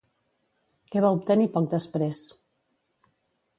Què va obtenir poc després?